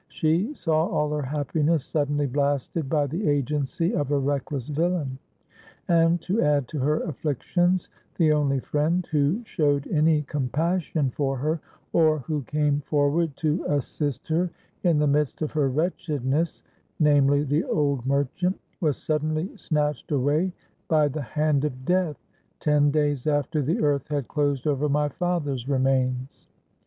She saw all her happiness suddenly blasted by the agency of a reckless villain; and, to add to her afflictions, the only friend who showed any compassion for her or who came forward to assist her in the midst of her wretchedness—namely, the old merchant—was suddenly snatched away by the hand of death, ten days after the earth had closed over my father's remains.